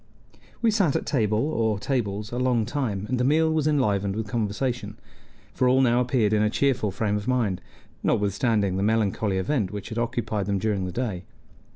We sat at table or tables a long time, and the meal was enlivened with conversation; for all now appeared in a cheerful frame of mind, notwithstanding the melancholy event which had occupied them during the day.